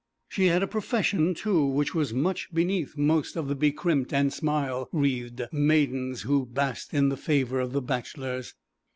She had a profession, too, which was much beneath most of the be crimped and smile wreathed maidens who basked in the favour of the bachelors.